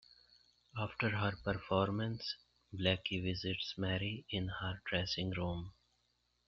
After her performance, Blackie visits Mary in her dressing room.